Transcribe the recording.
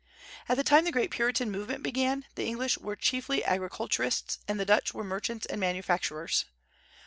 At the time the great Puritan movement began, the English were chiefly agriculturists and the Dutch were merchants and manufacturers.